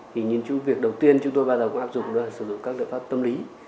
thì nhìn chú việc đầu tiên chúng tôi bao giờ có áp dụng là sử dụng các liệu pháp tâm lý